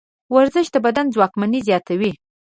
ورزش د بدن ځواکمني زیاتوي.